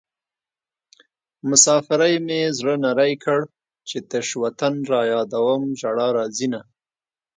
مسافرۍ مې زړه نری کړ چې تش وطن رايادوم ژړا راځينه